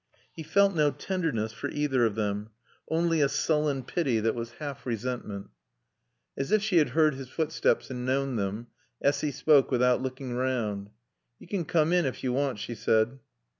He felt no tenderness for either of them, only a sullen pity that was half resentment. As if she had heard his footsteps and known them, Essy spoke without looking round. "Yo' can coom in ef yo' want," she said.